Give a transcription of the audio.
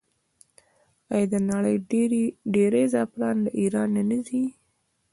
آیا د نړۍ ډیری زعفران له ایران نه راځي؟